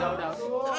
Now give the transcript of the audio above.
udah udah udah